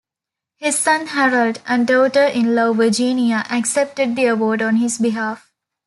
His son Harold and daughter-in-law Virginia accepted the award on his behalf.